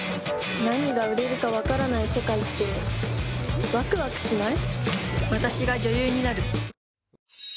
何が売れるか分からない世界ってワクワクしない？